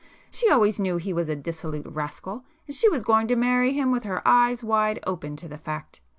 She always knew he was a dissolute rascal, and she was going to marry him with her eyes wide open to the fact.